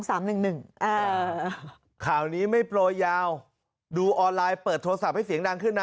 ข่าวนี้ไม่โปรยยาวดูออนไลน์เปิดโทรศัพท์ให้เสียงดังขึ้นนะ